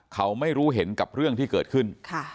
เขาไม่รู้เห็นกับเรื่องที่เกิดขึ้น